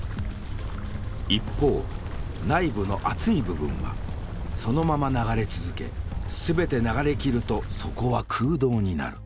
一方内部の熱い部分はそのまま流れ続け全て流れきるとそこは空洞になる。